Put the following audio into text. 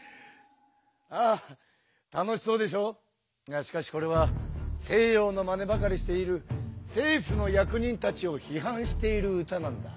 しかしこれは西洋のまねばかりしている政府の役人たちを批判している歌なんだ。